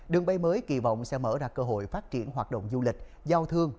đường bay mới kỳ vọng sẽ mở ra cơ hội phát triển hoạt động du lịch giao thương